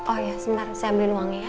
oh ya sebentar saya ambil uangnya ya